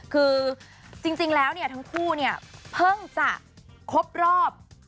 คือจริงแล้วทั้งคู่เพิ่งจะครบรอบ